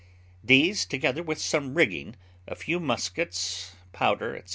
These, together with some rigging, a few muskets, powder, etc.